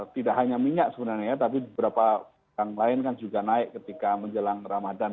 tidak hanya minyak sebenarnya ya tapi beberapa yang lain kan juga naik ketika menjelang ramadan